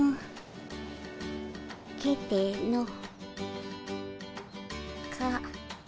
けての。か。